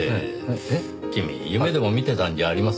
君夢でも見てたんじゃありませんか？